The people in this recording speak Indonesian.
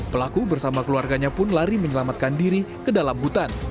pelaku bersama keluarganya pun lari menyelamatkan diri ke dalam hutan